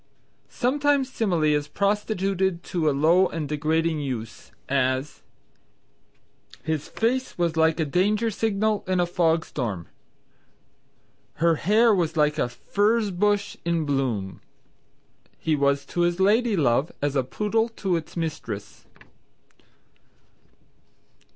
Sometimes Simile is prostituted to a low and degrading use; as "His face was like a danger signal in a fog storm." "Her hair was like a furze bush in bloom." "He was to his lady love as a poodle to its mistress."